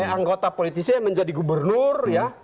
anggota politisnya menjadi gubernur